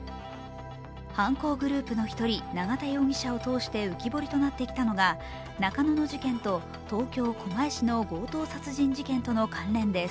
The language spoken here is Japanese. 犯行グループの１人、永田容疑者を通して浮き彫りとなってきたのが中野の事件と、東京・狛江市の強盗殺人事件との関連です。